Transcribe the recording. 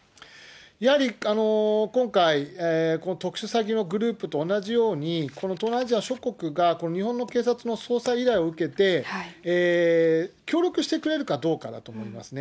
やはり今回、特殊詐欺のグループと同じように、この東南アジア諸国が日本の警察の捜査依頼を受けて、協力してくれるかどうかだと思いますね。